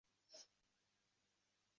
Kuylab qalbimizdan alamlarni yul